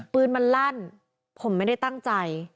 ปืนมันลั่นผมไม่ได้ตั้งใจ